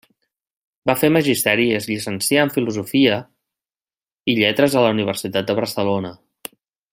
Va fer Magisteri i es llicencià en Filosofia i lletres a la Universitat de Barcelona.